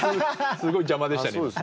すごい邪魔でしたね。